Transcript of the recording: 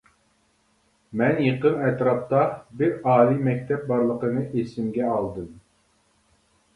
مەن يېقىن ئەتراپتا بىر ئالىي مەكتەپ بارلىقىنى ئېسىمگە ئالدىم.